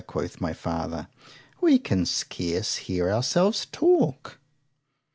—quoth my father,—we can scarce hear ourselves talk.